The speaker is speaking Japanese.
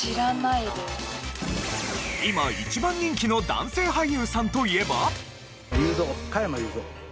今一番人気の男性俳優さんといえば？